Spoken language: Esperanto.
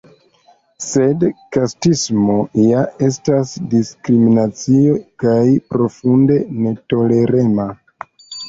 Sed kastismo ja estas diskriminacio, kaj profunde netolerema.